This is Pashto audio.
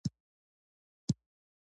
دوی له اروپا سره مقایسه کېدلای شي.